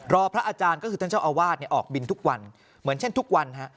พระอาจารย์ก็คือท่านเจ้าอาวาสออกบินทุกวันเหมือนเช่นทุกวันฮะ